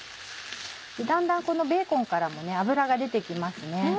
だんだんこのベーコンからも脂が出て来ますね。